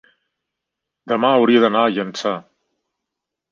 demà hauria d'anar a Llançà.